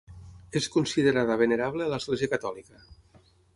És considerada venerable a l'Església Catòlica.